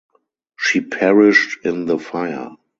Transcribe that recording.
She perished in the fire.